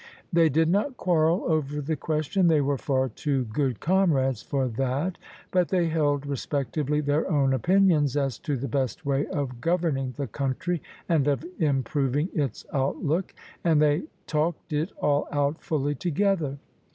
They did not quarrel over the question: they were far too good comrades for that: but they held respectively their own opinions as to the best way of governing the country and of improving its outlook: and they talked it all out fully to* gether.